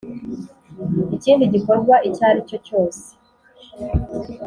ikindi gikorwa icyo aricyo cyose